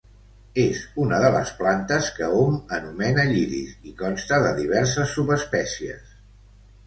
És una de les plantes que hom anomena lliris i consta de diverses subespècies.